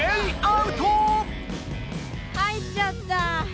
入っちゃった。